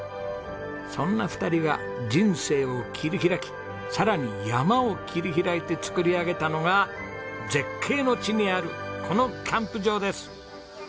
そんな２人が人生を切り開きさらに山を切り開いて作り上げたのが絶景の地にあるこのキャンプ場です。